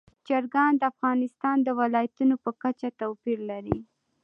چرګان د افغانستان د ولایاتو په کچه توپیر لري.